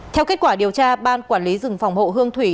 theo kết quả điều tra ban quản lý rừng phòng hộ hương thủy